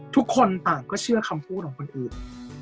ทุกคนต่างก็เชื่อคำพูดของคนอื่น